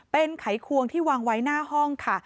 เป็นไขควงที่วางไว้หน้าห้องค่ะ